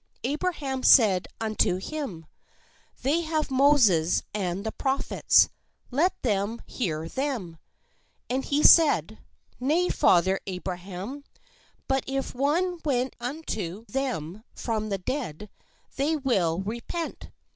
Abraham said unto him :' They have Moses and the Prophets; let them hear them." And he said :" Nay, father Abraham : but if one went unto them from the dead, they will repent."